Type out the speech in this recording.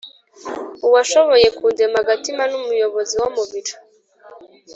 uwashoboye kundema agatima n'umuyobozi wo mu biro